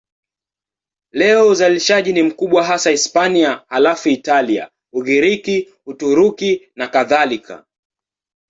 Leo uzalishaji ni mkubwa hasa Hispania, halafu Italia, Ugiriki, Uturuki nakadhalika.